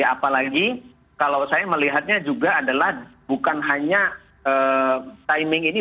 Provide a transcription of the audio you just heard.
apalagi kalau saya melihatnya juga adalah bukan hanya timing ini